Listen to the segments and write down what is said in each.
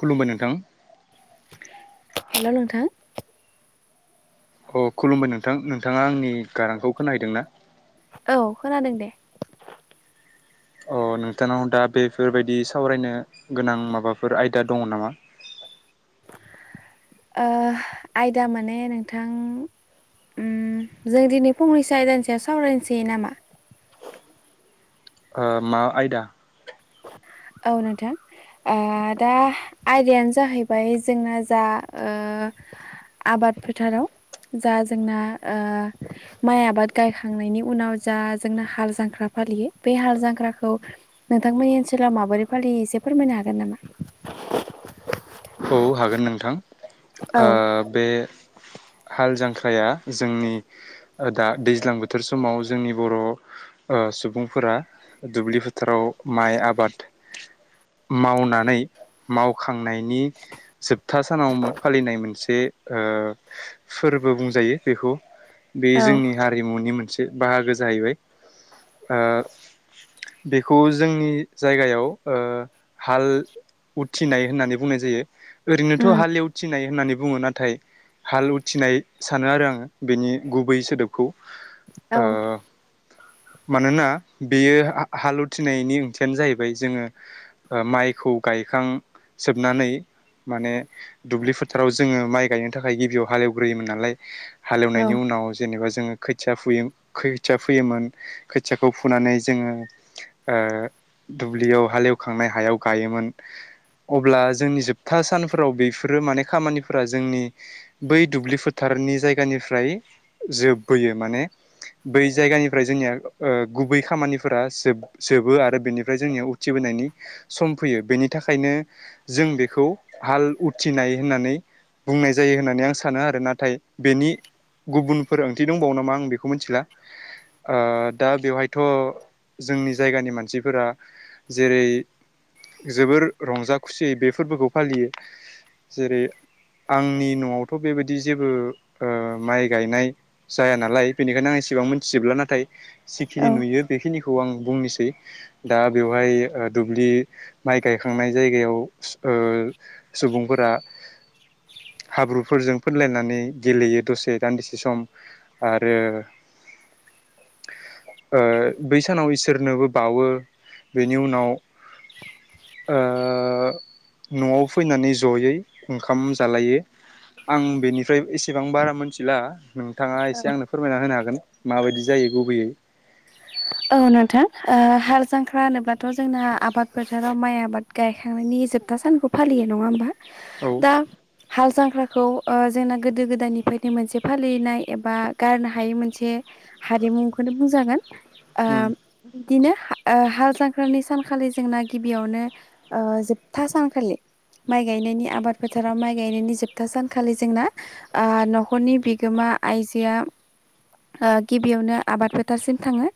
खुलुमबाय नोंथां हेलौ नोंथां अ खुलुमबाय नोंथां नोंथाङा आंनि गारांखौ खोना हैदों ना? औ खोनादों दे अ नोंथांनाव दा बेफोरबायदि सावरायनो गोनां माबाफोर आयदा दङ नामा? [inaudible] ओ आयदा माने नोंथां उम जों दिनै फंनैसो आयदानि सायाव सावरायनोसै नामा? [inaudible] ओ मा आयदा? औ नोंथां ओ दा आयदायानो जाहैबाय जोङो जा ओ आबाद फोथाराव जा जोंना ओ माइ आबाद गायखांनायनि उनाव जा जोंना हाल जांख्रा फालियो बे हाल जांख्राखौ नोंथांमोननि ओनसोलाव माबोरै फालियो एसे फोरमायनो हागोन नामा? औ हागोन नोंथां औ ओ बे हाल जांख्राया जोंनि ओ दा दैज्लां बोथोर समाव जोंनि बर' ओ सुबुंफोरा दुब्लि फोथाराव माइ आबाद मावनानै मावखांनायनि जोबथा सानाव फालिनाय मोनसे ओ फोरबो बुंजायो बेखौ बे औ जोंनि हारिमुनि मोनसे बाहागो जाहैबाय। ओ बेखौ जोंनि जायगायाव ओ हाल उथिनाय होननानै बुंनाय जायो ओरैनोथ' उम हालएथिनाय होननानै बुङो नाथाय हाल उथिनाय सानो आरो आं बेनि गुबै सोदोबखौ। औ ओ मानोना बेयो हा हाल उथिनायनि ओंथियानो जाहैबाय जोङो माइखौ खौ गायखां जोबनानै माने दुब्लि फोथाराव जोङो माइ गायनो थाखाय गिबियाव हालेवग्रोयोमोन नालाय औ हालेवनायनि उनाव जेनेबा जोङो खोथिया फुयो खोथिया फोयोमोन खोथियाखौ फुनानै जोङो ओ दुब्लियाव हालेवखांनाय हायाव गायोमोन अब्ला जोंनि जोब था सानफोराव बेफोरो माने खामानिफोरा जोंनि बै दुब्लि फोथारनि जायगानिफ्राय जोबबोयो माने बै जायगानिफ्राय जोंनिया ओ गुबै खामानिफोरा जोब जोबो आरो बेनिफ्राय जोंनिया उथिबोनायनि सम फैयो बेनि थाखायनो जों बेखौ हाल उथिनाय होननानै बुंनाय जायो होननानै आं सानो आरो नाथाय बेनि गुबुनफोर ओंथि दंबावो नामा आं बेखौ मिथिला। दा बेवहायथ' जोंनि जायगानि मानसिफोरा जेरै जोबोर रंजा खुसियै बे फोरबोखौ फालियो। जेरै आंनि न'आवथ' बेबायदि जेबो ओ माइ गायनाय जाया नालाय बेनिखायनो आं ए सेबां मिथिजोबला नाथाय जिखिनि औ नुयो बेखिनिखौ खौ आं बुंनोसै दा बेवहाय दुब्लि माइ गायखांनाय जायगायाव ओ सुबुंफोरा हाब्रुफोरजों फोरलायनानै गेलेयो दसे दान्दिसे सम आरो [inaudible] ओ बै सानाव इसोरनोबो बावो बेनि उनाव ओ न'आव फैनानै जयै ओंखाम जालायो आं बेनिफ्राय एसेबां बारा मोनथिला नोंथाङा औ एसे आंनो फोरमायना होनो हागोन माबायदि जायो गुबैयै। औ नोंथां ओ हाल जांख्रा होनोब्लाथ' जोंना आबाद फोथाराव माइ आबाद गायखांनायनि जोबथा सानखौ फालियो नङा होमबा। औ दा हाल जांख्राखौ ओ जोंना गोदो गोदायनिफ्रायनो मोनसे फालिनाय एबा गारनो हायै मोनसे हारिमुखौनो बुंजागोन ओ उम बिदिनो ओ हाल जांख्रानि सानखालि जोंना गिबियावनो ओ जोबथा सानखालि माइ गायनायनि आबाद फोथाराव माइ गायनायनि जोबथा सानखालि जोंना आ न'खरनि बिगोमा आइजोआ ओ गिबियावनो आबाद फोथारसिम थाङो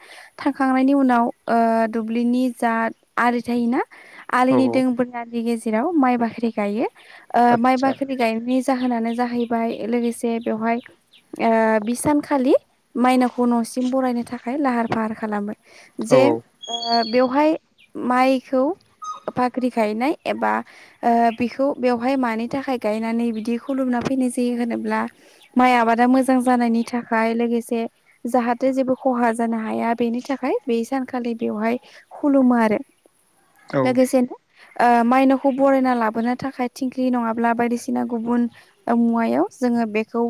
थांखांनायनि उनाव ओ दुब्लिनि जा आलि थायोना औ आलिनि औ दों [unintelligible] यानि गेजेराव माइ बाख्रि गायो ओ माइ आदसा बाख्रि गायनायनि जाहोनानो जाहैबाय लोगोसे बेवहाय ओ बि सानखालि माइनावखौ न'सिम बरायनो थाखाय लाहार फाहार खालामो औ जे ओ बेवहाय माइखौ बाख्रि गायनाय एबा ओ बिखौ बेवहाय मानि थाखाय गायनानै बिदि खुलुमना फैनाय जायो होनोब्ला माइ आबादा मोजां जानायनि थाखाय लोगोसे जाहाथे जेबो खहा जानो हाया बेनि थाखाय बे सानखालि बेवहाय खुलुमो आरो औ लोगोसेनो ओ मायनावखौ बरायना लाबोनो थाखाय थिंख्लि नङाब्ला बायदिसिना गुबुन मुवायाव जोङो बेखौ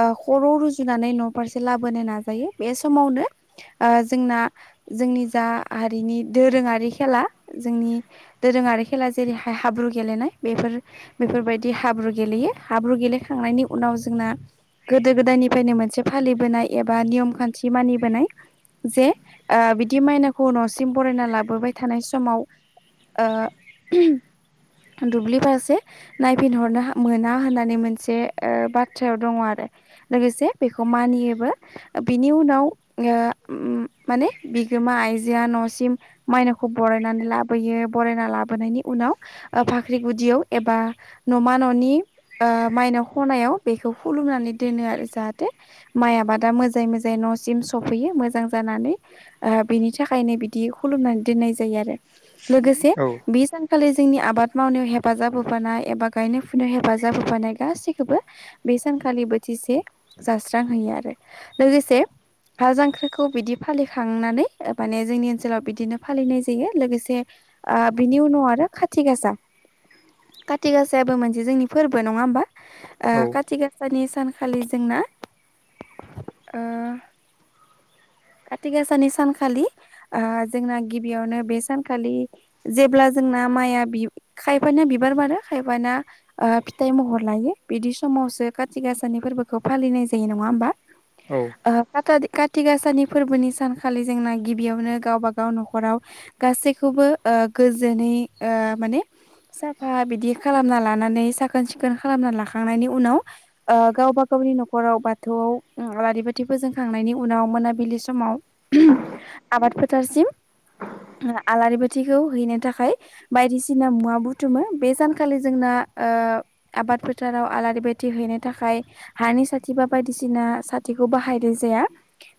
ओ खर' रुजुनानै न' फारसे लाबोनो नाजायो बे समावनो ओ जोंना जोंनि जा हारिनि दोरोङारि खेला जोंनि दोरोङा खेला जेरैहाय हाब्रु गेलेनाय बेफोर बेफोरबायदि हाब्रु गेलेयो। हाब्रु गेलेखांनायनि उ नाव जोंना गोदो गोदायनिफ्रायनो मोनसे फालिबोनाय एबा नियम खान्थि मानिबोनाय जे ओ बिदि माइनावखौ न'सिम बरायना लाबोबाय थानाय समाव ओ [unintelligible] दुब्लि फारसे नायफिनहरनो हा मोना होननानै मोनसे ओ बाथ्रायाव दङ' आरो लोगोसे बेखौ मानियोबो। बिनि उनाव ओ ओम माने बिगोमा आइजोआ न'सिम मायनावखौ बरायनानै लाबोयो बरायना लाबोनायनि उन [unintelligible] ओ भाख्रि गुदियाव एबा न'मा न'नि ओ माइनाव ख'नायाव बेखौ फुलुंनानै दोनो आरो जाहाथे माइ आबादा मोजाय मोजाय न'सिम सफैयो‌ मो जां जानानै ओ बेनि थाखायनो बिदि खुलुमनानै दोननाय जायो आरो लोगोसे औ बे सानखालि जोंनि आबाद मावनायाव हेफाजाब होफानाय एबा गायनाय फुनायाव हेफाजाब होफानाय गाससिखौबो बे सान खालि बोथिसे जास्रांहोयो आरो लोगोसे हा जांख्रि खौ बिदि फालिखांनानै माने जोंनि ओनसोलाव बिदिनो फालिनाय जायो लोगोसे ओ बि नि उनाव आरो खाथि गासा। काति गासायाबो मोनसे जोंनि फोरबो नङा होमबा? ओ औ खाथि गासानि सान खालि जोंना ओ काथि गासानि सानखालि ओ जोंना गिबियावनो बे सानखालि जेब्ला जोंना माइआ बि खायफानिया बिबार बारो खायफाना ओ फिथाइ महर लायो बिदि सम आवसो खाति गासा फोरबोखौ फालिनाय जायो नङा होमबा‌? औ ओ काता [unintelligible] काति गासानि फोरबोनि सानखालि जोंना गिबियावनो गावबा गाव न'खराव गासैखौबो ओ गोजोनै [unintelligible] ओ माने साफा बिदि खालामना लानानै साखोन सिखोन खालामना लाखांनायनि उनाव ओ गावबा गाव नि न'खराव बाथौआव आलारि बाथि फोजोंखांनायनि उनाव मोनाबिलिस समाव [unintelligible] आबाद फोथारसिम आलारि बाथिखौ हैनो थाखाय बायदिसिना मुवा बुथुमो। बे सानखालि जोंना ओ आबाद फोथाराव आलारि बाथि हैनो थाखाय हानि साथि बा बायदिसिना सा थिखौ बाहायनाय जाया।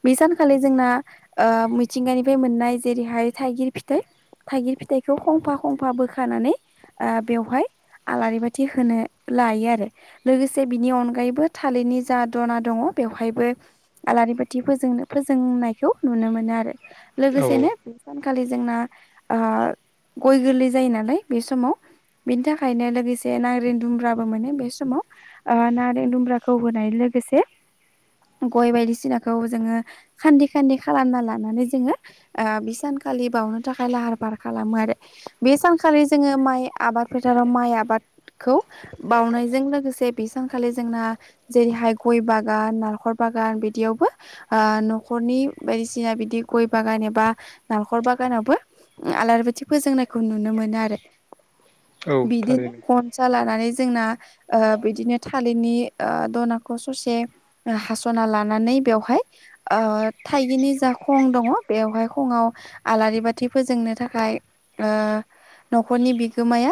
बे सान खालि जोंना ओ मिथिंगानिफ्राय मोननाय जेरैहाय थाइगिर फिथाइ थाइगिर फिथाइखौ खंफा खंफा बोखानानै ओ बेवहाय आलारि बाथि होनो लायो आरो लोगोसे बिनि अनगायैबो थालिरनि जा दना दङ' बेवहायबो आलारि बाथि फोजोंनो फोजोंनायखौ नुनो मोनो आरो औ लोगोसेनो बे सानखालि जोंना ओ गय गोरलै जायो नालाय बे समाव। बेनि थाखायनो लोगोसे नारें दुमब्राबो मोनो बे समाव। ओ नारें दुमब्राखौ होनाय लोगोसे गय बायदिसिनाखौ जोङो खान्दि खान्दि खालामना लानानै जोङो ओ बि सानखालि बावनो थाखाय लाहार फाहार खालामो आरो बे सानखालि जोङो माइ आबाद फोथाराव माइ आबादखौ बाउनायजों लोगोसे बे सानखालि जोंना जेरैहाय गय बागान नालेखर बागान बिदियावबो ओ न' खरनि बायदिसिना बिदि गय बागान एबा नालेंखर बागानावबो आलारि बाथि फोजोंनाय खौ नुनो मोनो आरो औ बिदिनो थारैनो गनसा लानानै जोंना बिदिनो थालिरनि दनाखौ ससे हास'ना लानानै बेयावहाय ओ थाइगिनि जा खं दङ बेवहाय खङआव आलारि बाथि फोजोंनो थाखाय ओ न'खरनि बिगोमाया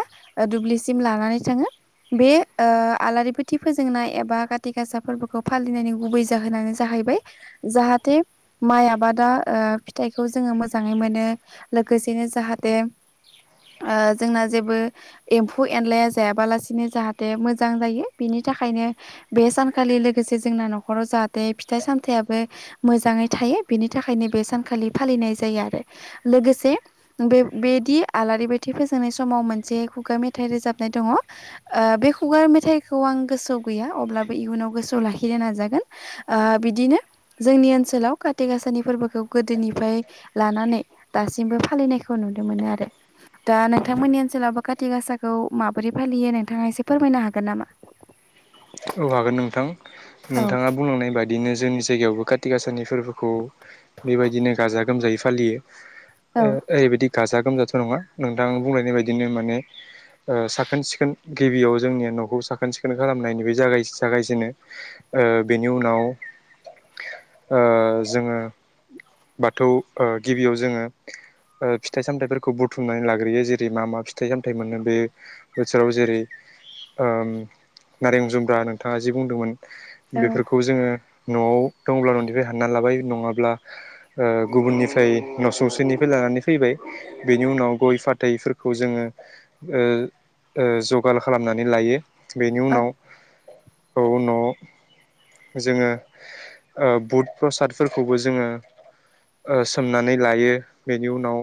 दुब्लिसिम लानानै थाङो। बे ओ आलारि बाथि फोजोंनाय एबा खााथि गासा फोरबोखौ फालिनायनि गुबै जाहोनानो जाहै बाय जाहाथे माइ आबादा ओ फिथाइखौ जोङो मोजाङै मोनो लोगोसेनो जाहा देम ओ जोंना जेबो एम्फौ एनलाया जायाबालासिनो जाहाथे मोजां जायो बिनि बिनि थाखायनो बे सानखालि लोगोसे जोंना न'खराव जाहाथे फिथाइ सामथायाइयाबो मोजाङै थायो बिनि थाखायनो बे सानखालि फालिनाय जायो आरो लोगोसे बे बेदि आलारि बाथि फोजोंनाय समाव मोनसे खुगा मेथाइ रोजाबनाय दङ ओ बे खुगा मेथाइखौ आं गोसोआव गैया अब्लाबो इयुनाव गोसोआव लाखिनो नाजागोन ओ बिदिनो जोंनि ओनसोलाव खााति गाासानि फोरबोखौ गोदोनिफ्राय लानानै दासिमबो फालिनायखौ नु नुनो मोनो आरो। दा नोंथांमोननि ओनसोलावबो काति गासाखौ माबोरै फालियो नोंथाङा एसे फोरमायनो हागोन नामा? औ हागोन नोंथां औ नोंथाङा बुंलांनाय बायदि बिदिनो जोंनि जायगायावबो काति गासानि फोरबोखौ बेबायदिनो गाजा गोमजायै फालियो। औ ओ ओरैबायदि गाजा गोमजाथ' नङा नोंथां बुंलायनाय बायदिनो माने ओ साखोन सिखोन गिबियाव जोंनिया न'खौ साखोन सिखोन खालामनायनि बे जागाय जागायजेनो ओ बेनि उनाव ओ जोङो ओबाथौ गिबियाव जोङो ओ फिथाइ सामथायाइफोरखौ बुथुमनानै लाग्रोयो जेरै मा मा फिथाइ सामथायाइ मोनो बे बोथोराव जेरै ओम नारें जुम्ब्रा नोंथाङा जि बुंदोंमोन औ बेफोरखौ जोङो न'आव दंब्ला न'निफ्राय हानना लाबाय नङाब्ला ओ गुबुननिफ्राय न' सुंसेनिफ्राय लानानै नानै फैबाय बेनि उनाव गय फाथैफोरखौ जोङो ओ ओ जगार खालामनानै लायो बेनि औ उनाव औ न'आव जोङो बुध प्रसादफोरखौबो जोङो ओ सोमनानै लायो बेनि उनाव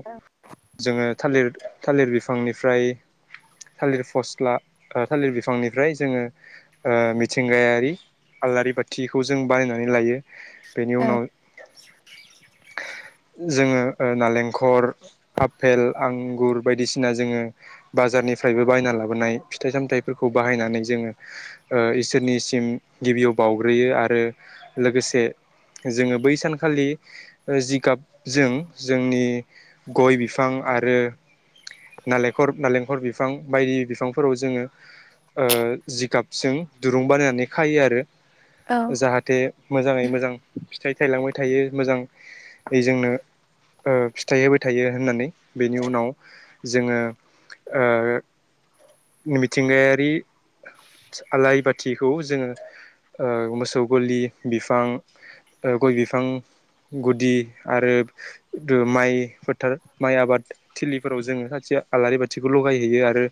जोङो थालिर थालिर बिफांनिफ्राय थालिर फस्ला थालिर बिफांनिफ्राय जोङो ओ मिथिंगायारि आलारि बाथिखौ जों बानायनानै लायो। बेनि औ उनाव जोङो ओ नालेंखर आफेल आंगुर बायदिसिना जोङो बाजार निफ्रायबो बायना लाबोनाय फिथाइ सामथाइफोरखौ बाहायनानै जोङो ओ इसोरनिसिम गिबियाव बावउग्रोयो आरो लोगोसे जोङो बै सानखालि जिगाबजों जोंनि गय बिफां आरो नालेंखर नालेंखर बिफां बायदि बिफांफोराव जोङो ओ जिगाब जों दुरुं बानायनानै खायो आरो जाहाथे मोजाङै मोजां फि फिथाइ थायलांबाय थायो मोजांयै जोंनो ओ फिथाइ होबाय थायो होननानै बेनि उनाव जोङो ओ मिथिंगायारि आलारि बाथिखौ जोङो ओ मोसौ गलि बिफां ओ गय बिफां गुदि आरो दो माइ फोथार माइ आबाद थिलिफोराव जोङो सासे आलारि बाथिखौ लगायहैयो आरो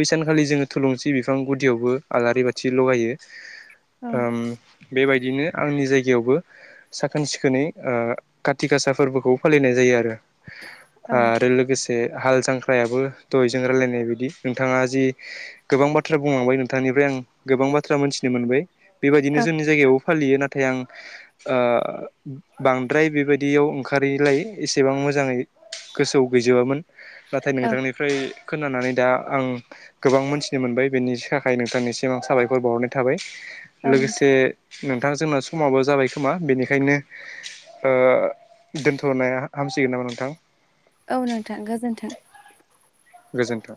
बैसानखालि जोङो थुलुंसि बिफां गुदियावबो आलारि बाथि लगायो। औ ओम बेबायदिनो आंनि जायगायावबो साखोन सिखोनै ओ काथि गासा फोरबोखौ फालिनाय जायो आरो औ आरो लोगोसे हाल जांख्रायाबो दहय जों रायलायनाय बायदि नोंथाङा जि गोबां बाथ्रा बुंलांबाय नों नोंथानिफ्राय आं गोबां बाथ्रा मोनथिनो मोनबाय बेबायदिनो जोंनि जायगायावबो फालियो नाथ नाथाय आं ओ बांद्राय बेबायदियाव ओंखारैलाय एसेबां मोजाङै गोसोआव गैजोबामोन। नाथाय नोंथांनिफ्राय खोनानानै दा आं गोबां मोनथिनो मोनबाय बेनि सा थाखाय नोंथांनिसिम आं साबायखर बावहरनाय थाबाय औ नोंथां लोगोसे नोंथां जोंना समाबो जा जाबाय खोमा बेनिखायनो ओ दोनथ'नाया हामसिगोन नामा नोंथां? औ नोंथां गोजोन्थों। गोजोन्थों।